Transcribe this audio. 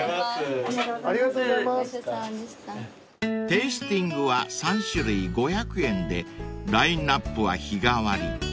［テイスティングは３種類５００円でラインアップは日替わり］